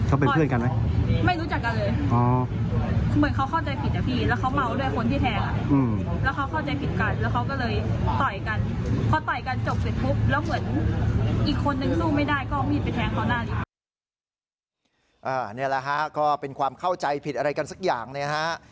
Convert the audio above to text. นี่แหละฮะก็เป็นความเข้าใจผิดอะไรกันสักอย่างเนี่ยนะฮะ